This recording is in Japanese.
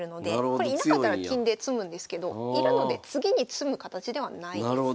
これいなかったら金で詰むんですけどいるので次に詰む形ではないです。